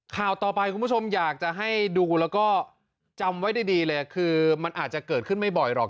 ข่าวต่อไปคุณผู้ชมอยากจะให้ดูแล้วก็จำไว้ดีเลยคือมันอาจจะเกิดขึ้นไม่บ่อยหรอก